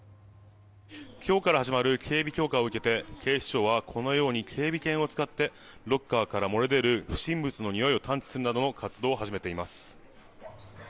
今日から始まる警備強化を受けて、警視庁はこのように警備犬を使ってロッカーから漏れ出る不審物のにおいを探知するなどの活動を始めています。